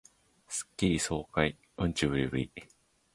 スッキリ爽快